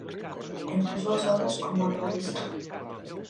Entre as súas obras como novelista.